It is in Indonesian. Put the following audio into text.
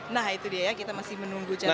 nah itu dia ya kita masih menunggu jadwal